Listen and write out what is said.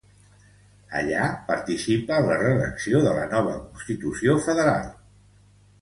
Allà participa en la redacció de la nova Constitució federal.